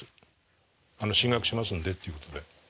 進学しますんでっていうことで。